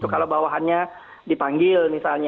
kalau bawahannya dipanggil